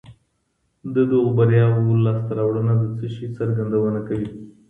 د دغو برياوو لاسته راوړنه د څه شي څرګندونه کوي؟